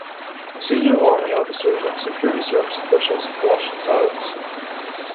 Senior Army officers and security service officials watch in silence.